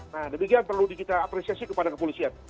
nah demikian perlu kita apresiasi kepada kepolisian